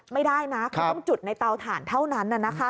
ไม่ได้นะคือต้องจุดในเตาถ่านเท่านั้น